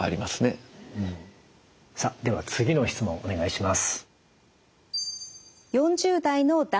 さあでは次の質問お願いします。